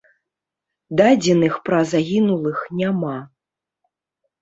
Дадзеных пра загінулых няма.